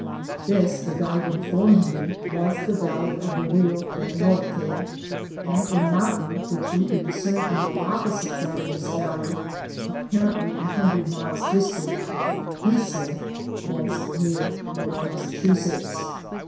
This, the guide informed me, was the val ley of the Rio del Norte ; and a mountain, which we could discern on the opposite side of this valley, apparently a hundred miles distant, he said was near Fort Massachu setts.